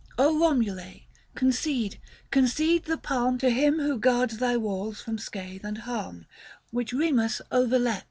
Romule', concede, concede the palm 130 To him who guards thy walls from scathe and harm, Which Remus overleap!